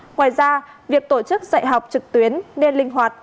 ngoài ra việc tổ chức dạy học trực tuyến nên linh hoạt